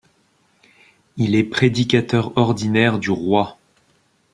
Il est prédicateur ordinaire du roi.